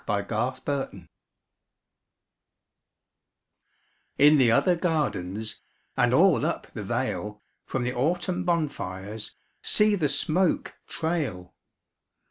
VI Autumn Fires In the other gardens And all up the vale, From the autumn bonfires See the smoke trail!